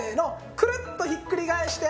クルッとひっくり返して。